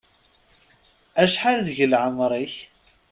Cḥal deg laεmer-ik.